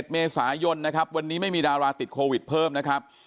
๑เมษายนนะครับวันนี้ไม่มีดาราติดโควิดเพิ่มนะครับ